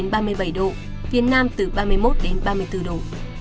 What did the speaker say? nhiệt độ cao nhất phía bắc từ ba mươi năm ba mươi bảy độ phía nam từ ba mươi một ba mươi bốn độ